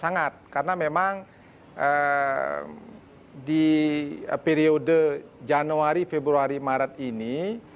sangat karena memang di periode januari februari maret ini